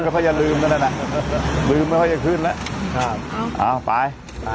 หลธุตาอย่าลืมอย่าจะขึ้นกันนะเอาไป